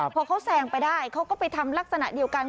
พอเขาแซงไปได้เขาก็ไปทำลักษณะเดียวกัน